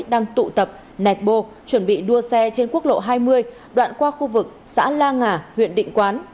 đang tụ tập nẹt bô chuẩn bị đua xe trên quốc lộ hai mươi đoạn qua khu vực xã la ngà huyện định quán